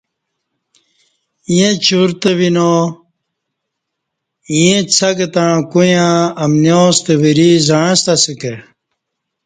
ییں چورتہ وینا، ایں څک تݩع کویاں امنیاں ستہ وری زعںستہ اسہ کہ